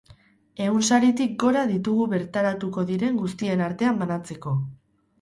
Ehun saritik gora ditugu bertaratuko diren guztien artean banatzeko.